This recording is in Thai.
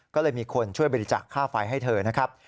ก็เลยมีคนช่วยบริจาคค่าไฟให้เธอนะครับ